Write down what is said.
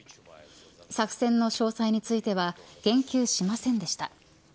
作戦の詳細については言及しませんでした。